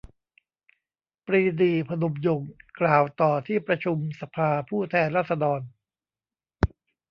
ปรีดี พนมยงค์ กล่าวต่อที่ประชุมสภาผู้แทนราษฎร